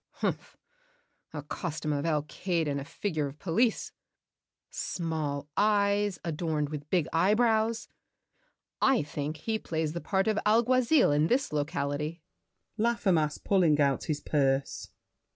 ] Humph! A costume Of Alcaid and a figure of police; Small eyes, adorned with big eyebrows! I think He plays the part of Alguazil in this Locality. LAFFEMAS (pulling out his purse).